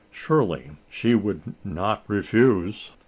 Surely she would not refuse?